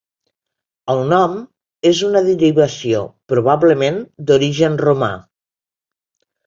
El nom és una derivació probablement d'origen romà.